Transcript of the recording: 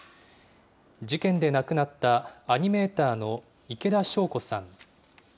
事件で亡くなったアニメーターの池田晶子さん。